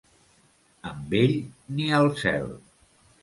Amb ell, ni al cel.